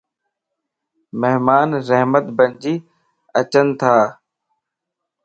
مھمان رحمت بنجي اچينتا